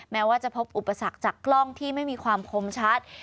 แม้ว่าจะพบอุปสรรคจากกล้องที่ไม่มีความคมชัด